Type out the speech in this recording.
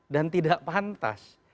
dan tidak pantas